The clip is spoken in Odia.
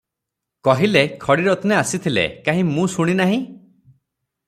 କହିଲେ, “ଖଡ଼ିରତ୍ନେ ଆସିଥିଲେ, କାହିଁ ମୁଁ ଶୁଣି ନାହିଁ?”